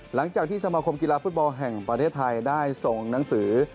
สมาคมกีฬาฟุตบอลแห่งประเทศไทยได้ส่งหนังสือ